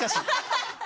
ハハハハ！